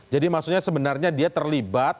jadi maksudnya sebenarnya dia terlibat